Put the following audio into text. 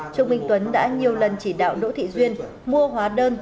trương minh tuấn đã nhiều lần chỉ đạo đỗ thị duyên mua hóa đơn